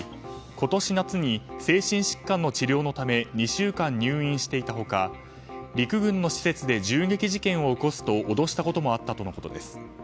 今年夏に精神疾患の治療のため２週間入院していた他陸軍の施設で銃撃事件を起こすと脅したこともあったとのことです。